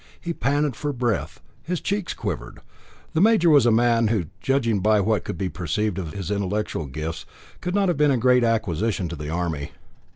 He panted for breath, his cheeks quivered. The major was a man who, judging by what could be perceived of his intellectual gifts, could not have been a great acquisition to the Army.